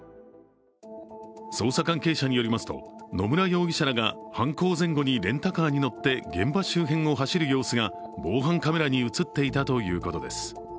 捜査関係者によりますと、野村容疑者らが犯行前後にレンタカーに乗って現場周辺を走る様子が防犯カメラに映っていたということです。